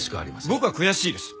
僕は悔しいです。